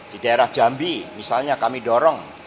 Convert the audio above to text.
di daerah jambi misalnya kami dorong